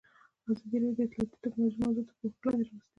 ازادي راډیو د اطلاعاتی تکنالوژي موضوع تر پوښښ لاندې راوستې.